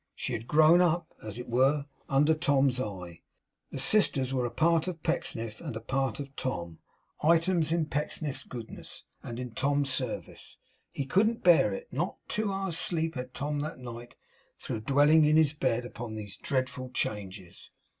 She had grown up, as it were, under Tom's eye. The sisters were a part of Pecksniff, and a part of Tom; items in Pecksniff's goodness, and in Tom's service. He couldn't bear it; not two hours' sleep had Tom that night, through dwelling in his bed upon these dreadful changes.